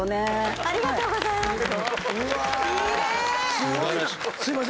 ありがとうございます。